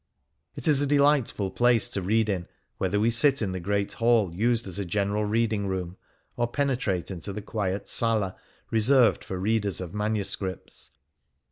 It is a delightful place to read in, whether we sit in the great hall used as a general reading room, or penetrate into the quiet sola reserved for readers of manuscripts.